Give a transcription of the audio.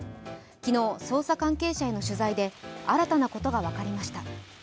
昨日、捜査関係者への取材で新たなことが分かりました。